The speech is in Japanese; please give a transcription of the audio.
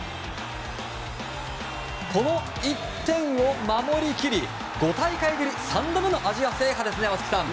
この１点を守り切り５大会ぶり３度目のアジア制覇ですね、松木さん。